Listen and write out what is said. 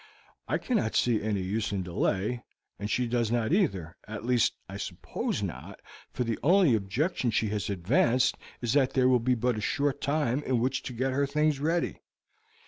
I cannot see any use in delay, and she does not either; at least, I suppose not, for the only objection she has advanced is that there will be but a short time in which to get her things ready.